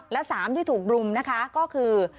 และ๓ที่ถูกรุมนะคะก็คือ